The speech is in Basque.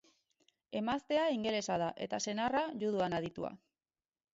Emaztea ingelesa da eta senarra, judoan aditua.